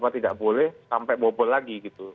tidak boleh sampai bobol lagi gitu